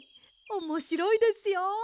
おもしろいですよ。